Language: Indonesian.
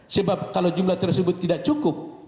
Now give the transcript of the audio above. sebab kalau jumlah tersebut tidak cukup